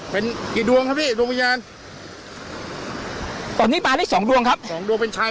เป็นกี่ดวงครับพี่ดวงวิญญาณตอนนี้มาได้สองดวงครับสองดวงเป็นชาย